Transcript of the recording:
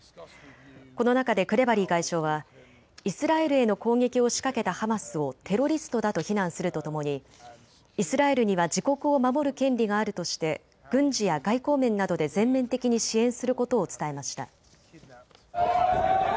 この中でクレバリー外相はイスラエルへの攻撃を仕掛けたハマスをテロリストだと非難するとともにイスラエルには自国を守る権利があるとして軍事や外交面などで全面的に支援することを伝えました。